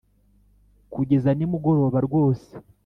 kugeza nimugoroba rwose